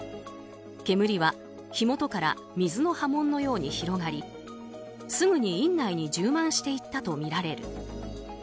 煙は火元から水の波紋のように広がりすぐに院内に充満していったとみられる。